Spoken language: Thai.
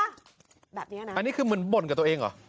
อันนี้คือมันบ่นกับตัวเองเหรอ